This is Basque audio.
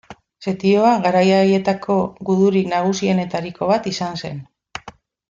Setioa garai haietako gudurik nagusienetariko bat izan zen.